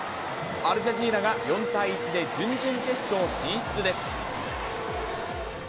アルジャジーラが４対１で準々決勝進出です。